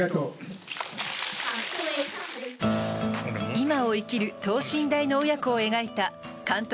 今を生きる等身大の親子を描いた監督